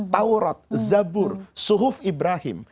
tawrat zabur suhuf ibrahim